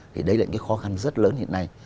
thì đấy là cái khó khăn rất lớn hiện nay